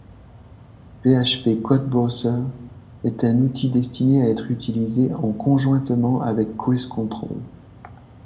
PHP_CodeBrowser est un outil destiné, à être utilisé en conjointement avec CruiseControl